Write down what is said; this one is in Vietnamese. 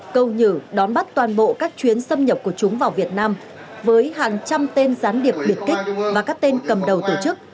câu nhử đón bắt toàn bộ các chuyến xâm nhập của chúng vào việt nam với hàng trăm tên gián điệp biệt kích và các tên cầm đầu tổ chức